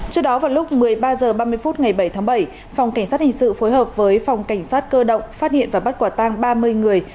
trước đó vào lúc một mươi ba h ba mươi phút ngày bảy tháng bảy phòng cảnh sát hình sự phối hợp với phòng cảnh sát cơ động phát hiện và bắt quả tang ba mươi người